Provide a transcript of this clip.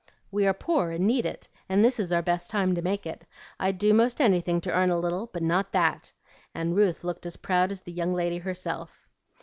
"We are poor and need it, and this is our best time to make it. I'd do most anything to earn a little, but not that;" and Ruth looked as proud as the young lady herself.